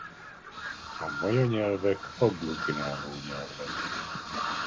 A maja nyelvek agglutináló nyelvek.